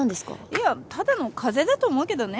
いやただの風邪だと思うけどね。